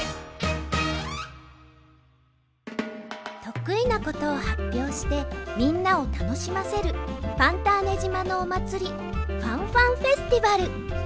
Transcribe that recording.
とくいなことをはっぴょうしてみんなをたのしませるファンターネじまのおまつりファンファンフェスティバル。